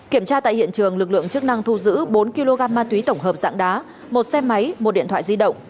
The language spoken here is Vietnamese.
kiểm tra tại hiện trường lực lượng chức năng thu giữ bốn kg ma túy tổng hợp dạng đá một xe máy một điện thoại di động